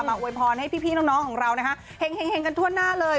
อวยพรให้พี่น้องของเรานะคะเห็งกันทั่วหน้าเลย